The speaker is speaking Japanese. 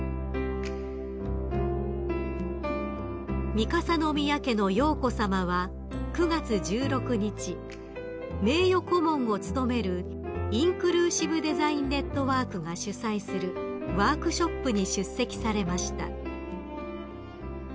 ［三笠宮家の瑶子さまは９月１６日名誉顧問を務めるインクルーシブデザインネットワークが主催するワークショップに出席されました］